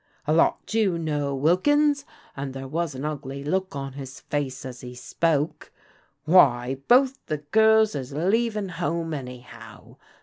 "' A lot you know, Wilkins,' and there was an ugly look on his face as he spoke. *Why, both the girls is leavin' home anyhow.